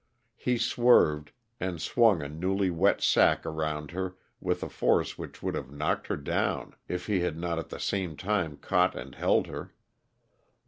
He swerved, and swung a newly wet sack around her with a force which would have knocked her down if he had not at the same time caught and held her.